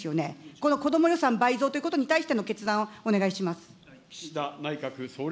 この子ども予算倍増ということに対しての決断をお願いします。